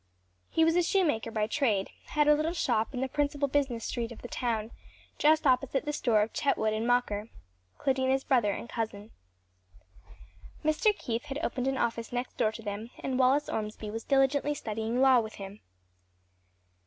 He was a shoemaker by trade; had a little shop in the principal business street of the town, just opposite the store of Chetwood and Mocker, Claudina's brother and cousin. Mr. Keith had opened an office next door to them and Wallace Ormsby was diligently studying law with him.